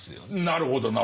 なるほど。